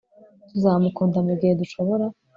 Tuzamukunda mugihe dushobora